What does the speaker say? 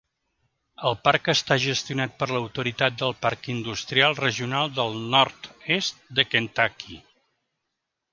El parc està gestionat per l'autoritat del parc industrial regional del nord-est de Kentucky.